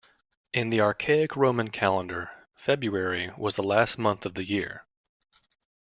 In the archaic Roman calendar, February was the last month of the year.